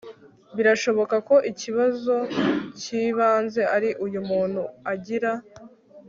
birashoboka ko ikibazo cyibanze ari uyu muntu agira